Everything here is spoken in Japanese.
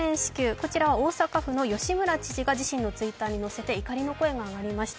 こちら大阪府の吉村知事が自身のツイッターに上げて怒りの声が上がりました。